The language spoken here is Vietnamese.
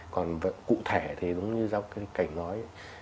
còn cụ thể thì giống như giống như cảnh nói